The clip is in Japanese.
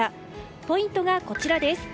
ポイントが、こちら。